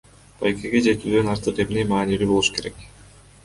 Байгеге жетүүдөн артык эмне маанилүү болушу керек?